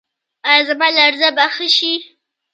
ایا زما لرزه به ښه شي؟